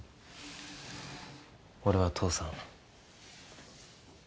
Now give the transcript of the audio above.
俺は父さん。